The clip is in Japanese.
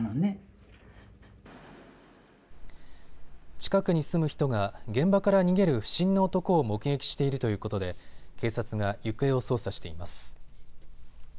近くに住む人が現場から逃げる不審な男を目撃しているということで警察が行方を捜査しています。